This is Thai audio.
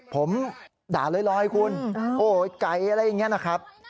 ผมด่าลอยคุณโอ้ไก่อะไรอย่างนี้นะครับ